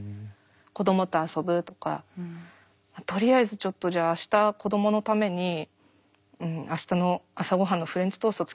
子どもと遊ぶとかとりあえずちょっとじゃあ明日子どものために明日の朝ごはんのフレンチトースト